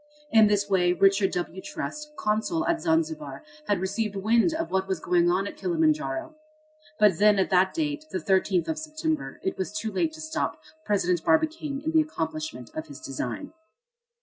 In this way Richard W. Trust, consul at Zanzibar, had received wind of what was going on at Kilimanjaro. But then at that date, the 13th of September, it was too late to stop President Barbicane in the accomplishment of his design.